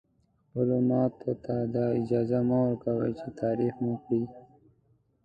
خپلو ماتو ته دا اجازه مه ورکوئ چې تعریف مو کړي.